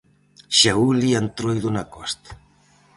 Xa ule a Entroido na Costa.